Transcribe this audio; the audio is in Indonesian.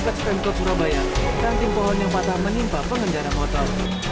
kota surabaya ranting pohon yang patah menimpa pengenjara motor